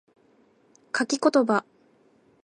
書き言葉